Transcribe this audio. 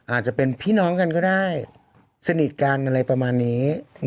อาจจะเป็นพี่น้องกันก็ได้สนิทกันอะไรประมาณนี้